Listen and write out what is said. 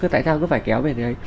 tại sao cứ phải kéo về đây